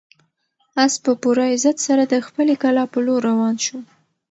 آس په پوره عزت سره د خپلې کلا په لور روان شو.